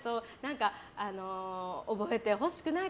覚えてほしくない